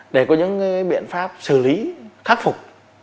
để có những biện pháp xử lý khắc phục